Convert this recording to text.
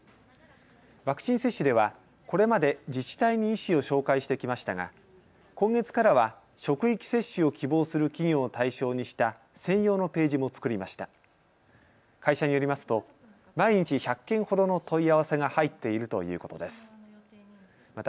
ワクチン接種ではこれまで自治体に医師を紹介してきましたが、今月からは職域接種を希望する企業を対象にした専用のページも作りました。